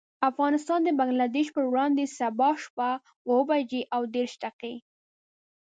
افغانستان د بنګلدېش پر وړاندې، سبا شپه اوه بجې او دېرش دقيقې.